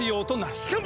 しかも！